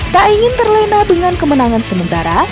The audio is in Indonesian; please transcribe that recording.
tak ingin terlena dengan kemenangan sementara